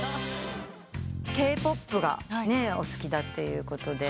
Ｋ−ＰＯＰがお好きだということで。